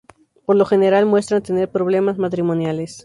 Por lo general muestran tener problemas matrimoniales.